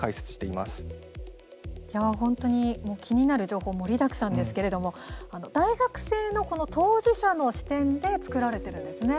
いや、本当に気になる情報盛りだくさんですけれども大学生のこの当事者の視点で作られているんですね。